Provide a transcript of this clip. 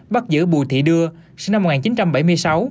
bắt giữ bùi thị đưa sinh năm một nghìn chín trăm bảy mươi sáu